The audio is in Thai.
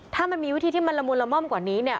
ถ้ามันมีวิธีที่มันละมุนละม่อมกว่านี้เนี่ย